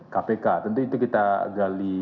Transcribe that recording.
kpk tentu itu kita gali